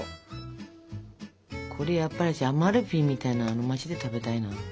これやっぱりアマルフィみたいな街で食べたいな。